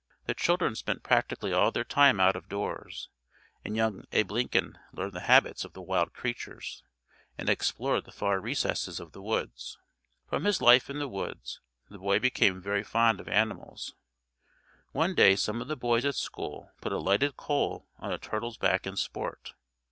The children spent practically all their time out of doors, and young Abe Lincoln learned the habits of the wild creatures, and explored the far recesses of the woods. From his life in the woods the boy became very fond of animals. One day some of the boys at school put a lighted coal on a turtle's back in sport.